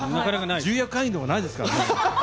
重役会議でもないですからね。